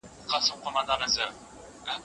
روغ بدن د نېک ژوند بنسټ دی